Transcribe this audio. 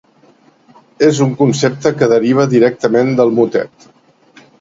És un concepte que deriva directament del motet.